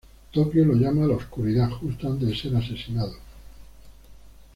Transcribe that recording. Tokio lo llama "la oscuridad" justo antes de ser asesinado.